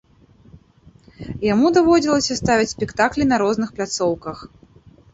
Яму даводзілася ставіць спектаклі на розных пляцоўках.